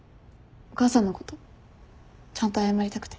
お母さんのことちゃんと謝りたくて。